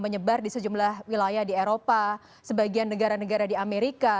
menyebar di sejumlah wilayah di eropa sebagian negara negara di amerika